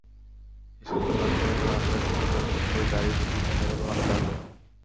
এসব দোকানে আসা শিশুদের মধ্যে গাড়ির প্রতি দেখা গেল আলাদা আগ্রহ।